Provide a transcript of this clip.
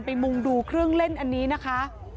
มุงดูเครื่องเล่นอันนี้นะคะ